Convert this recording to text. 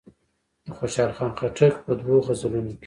د خوشحال خان خټک په دوو غزلونو کې.